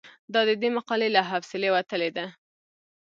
دا د دې مقالې له حوصلې وتلې ده.